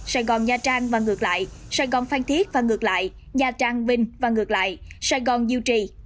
sài gòn nha trang và ngược lại sài gòn phan thiết và ngược lại nha trang vinh và ngược lại sài gòn dieu trì